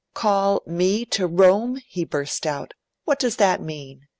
'Call me to Rome,' he burst out 'what does that mean?